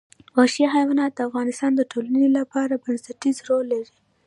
وحشي حیوانات د افغانستان د ټولنې لپاره بنسټيز رول لري.